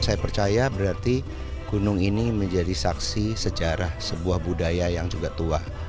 saya percaya berarti gunung ini menjadi saksi sejarah sebuah budaya yang juga tua